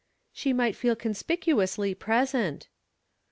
"She might feel conspicuously present."